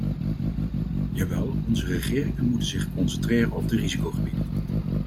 Jawel, onze regeringen moeten zich concentreren op de risicogebieden.